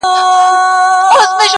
علم د انسان وقار دی.